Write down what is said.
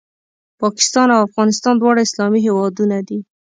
پاکستان او افغانستان دواړه اسلامي هېوادونه دي